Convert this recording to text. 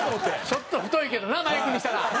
ちょっと太いけどなマイクにしたら。